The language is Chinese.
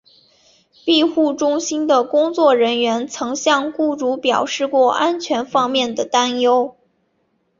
庇护中心的工作人员曾向雇主表示过安全方面的担忧。